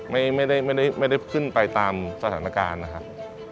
ไม่ได้ขึ้นไปตามสถานการณ์นะครับ